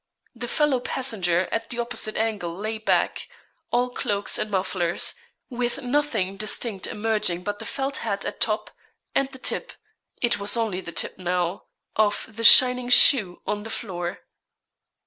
The fellow passenger at the opposite angle lay back, all cloaks and mufflers, with nothing distinct emerging but the felt hat at top, and the tip it was only the tip now of the shining shoe on the floor.